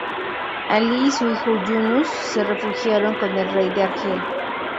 Ali y su hijo Yunus se refugiaron con el rey de Argel.